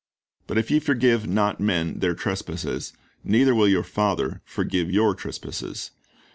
^ "But if }'e forgive not men their trespasses, neither will your Father forgive your trespasses."